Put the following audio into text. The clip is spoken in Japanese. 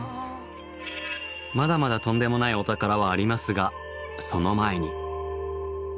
まだまだとんでもないお宝はありますがその前に。